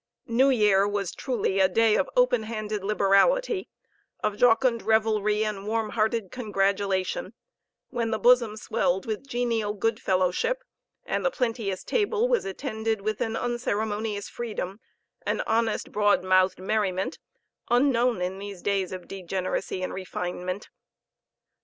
New year was truly a day of open handed liberality, of jocund revelry and warm hearted congratulation, when the bosom swelled with genial good fellowship, and the plenteous table was attended with an unceremonious freedom and honest broad mouthed merriment unknown in these days of degeneracy and refinement.